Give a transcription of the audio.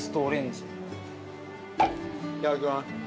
いただきます。